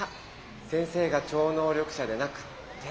先生が超能力者でなくって。